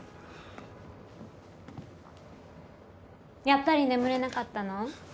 やっぱり眠れなかったの？